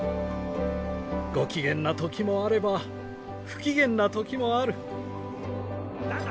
ご機嫌な時もあれば不機嫌な時もある。